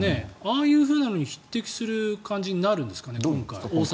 ああいうふうなのに匹敵する感じになるんですかね大阪。